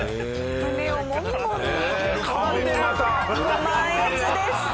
ご満悦です。